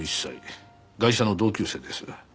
ガイシャの同級生です。